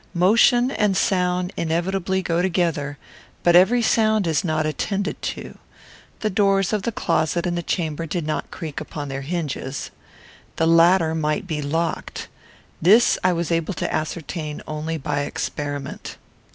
Motion and sound inevitably go together; but every sound is not attended to. The doors of the closet and the chamber did not creak upon their hinges. The latter might be locked. This I was able to ascertain only by experiment.